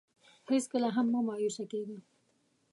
هېڅکله هم مه مایوسه کېږه.